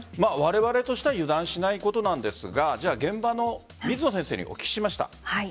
われわれとしては油断しないことなんですが現場の水野先生にお聞きしました。